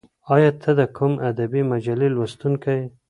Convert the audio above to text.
ایا ته د کوم ادبي مجلې لوستونکی یې؟